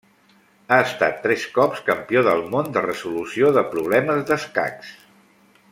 Ha estat tres cops campió del món de resolució de problemes d'escacs.